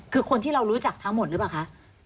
คือคนที่เรารู้จักทั้งหมดหรือเปล่าคะ